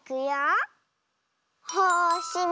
よし。